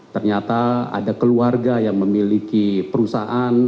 ternyata ada keluarga yang memiliki perusahaan